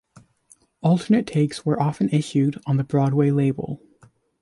Alternate takes were often issued on the Broadway label.